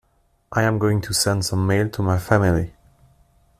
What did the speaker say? I am going to send some mail to my family.